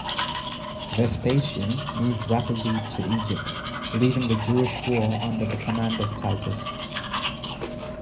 Vespasian moved rapidly to Egypt, leaving the Jewish war under the command of Titus.